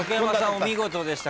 お見事でした。